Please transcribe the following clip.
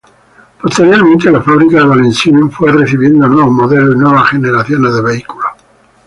Posteriormente la fábrica de Valenciennes fue recibiendo nuevos modelos y nuevas generaciones de vehículos.